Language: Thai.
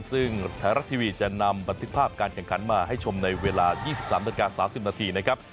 ซึ่งไทยรัฐทีวีจะนำบันทึกภาพการแข่งขันมาให้ชมในเวลา๒๓นาที๓๐นาทีนะครับ